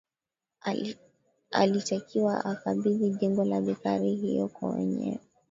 Alitakiwa akabidhi jengo la bekari hiyo kwa mwenyewe